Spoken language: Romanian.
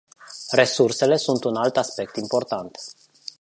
Resursele sunt un alt aspect important.